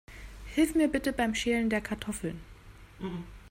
Hilf mir bitte beim Schälen der Kartoffeln.